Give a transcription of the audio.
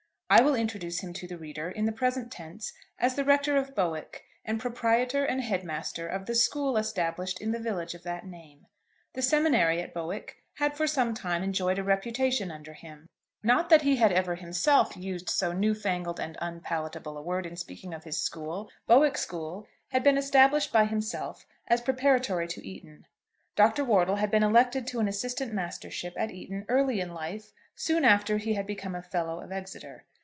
I will introduce him to the reader in the present tense as Rector of Bowick, and proprietor and head master of the school established in the village of that name. The seminary at Bowick had for some time enjoyed a reputation under him; not that he had ever himself used so new fangled and unpalatable a word in speaking of his school. Bowick School had been established by himself as preparatory to Eton. Dr. Wortle had been elected to an assistant mastership at Eton early in life soon after he had become a Fellow of Exeter.